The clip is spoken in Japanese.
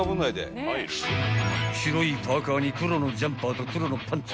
［白いパーカーに黒のジャンパーと黒のパンツ］